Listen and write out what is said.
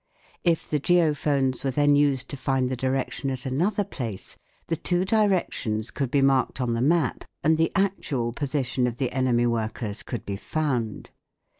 If the geophones were then used to find the direction at another place, the two directions could be marked on the map and the actual position of the enemy workers could be found.